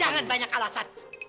jangan banyak alasan